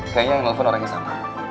kayaknya nelfon orangnya sama